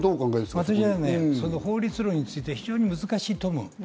私は法律論について非常に難しいと思う。